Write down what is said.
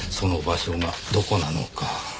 その場所がどこなのか。